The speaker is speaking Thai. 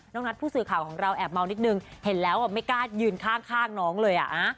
นัทผู้สื่อข่าวของเราแอบเมานิดนึงเห็นแล้วไม่กล้ายืนข้างน้องเลย